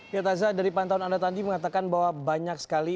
ya taza dari pantauan anda tadi mengatakan bahwa banyak sekali